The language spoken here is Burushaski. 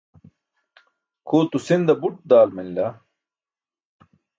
Khuulto sinda buț daal manila.